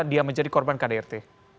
dia menjadi korban kdrt